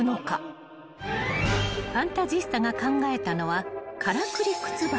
［ファンタジスタが考えたのは］